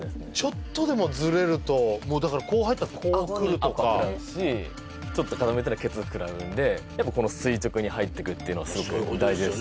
ちょっとでもずれるともうだからこう入ったらこうくるとかアッパー食らうしちょっとやっぱこの垂直に入ってくっていうのはすごく大事です